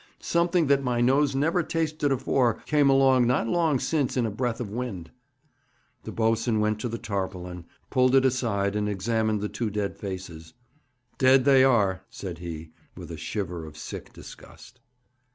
Something that my nose never tasted afore came along not long since in a breath o' wind.' The boatswain went to the tarpaulin, pulled it aside, and examined the two dead faces. 'Dead they are,' said he, with a shiver of sick disgust.